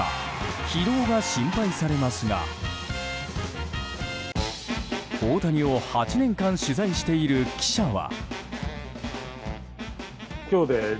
疲労が心配されますが大谷を８年間取材している記者は。